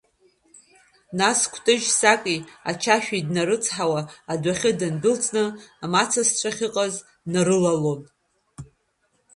Нас кәтыжь саки ачашәи днарыцҳауа адәахьы дындәылҵны амацасцәа ахьыҟаз днарылалон.